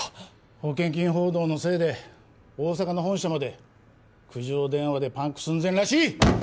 保険金報道のせいで大阪の本社まで苦情電話でパンク寸前らしい！